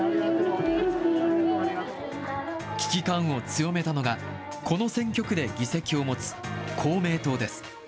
危機感を強めたのが、この選挙区で議席を持つ、公明党です。